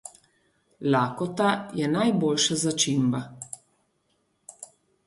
Lakota je najboljša začimba.